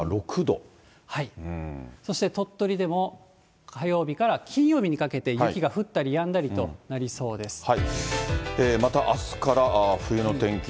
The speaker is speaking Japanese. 大阪、そして鳥取でも、火曜日から金曜日にかけて雪が降ったりやんだりとなりそうです。